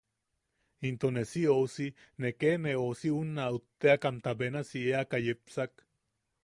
Into ne si ousi... ne ke ne ousi unna utteʼakamta benasi eaka yepsak.